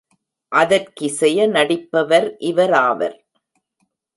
அதற்கிசைய நடிப்பவர் இவராவர்.